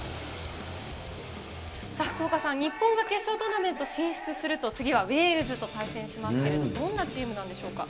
福岡さん、日本が決勝トーナメント進出すると、次はウェールズと対戦しますけれども、どんなチームなんでしょうか。